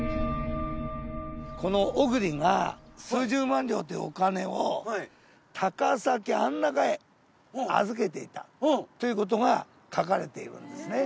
この小栗が数十万両っていうお金を高崎安中へ預けていたということが書かれているんですね。